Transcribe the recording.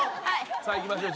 さあいきましょう。